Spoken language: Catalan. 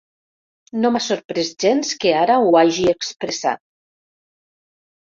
No m’ha sorprès gens que ara ho hagi expressat.